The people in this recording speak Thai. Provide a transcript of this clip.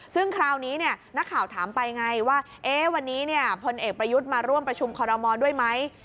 ซึ่งคราวนี้นักข่าวถามไปไงว่าวันนี้พลเอกประยุทธ์มาร่วมประชุมคอรมอลด้วยไหม